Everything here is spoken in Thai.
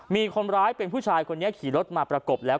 มีคนร้ายเป็นผู้ชายคนนี้ขี่รถมาประกบแล้ว